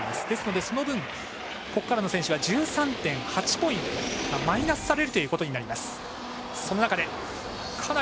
ですので、その分ここからの選手は１３．８ポイントマイナスされることになります。